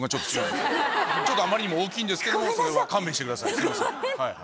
あまりにも大きいんですけどもそれは勘弁してください。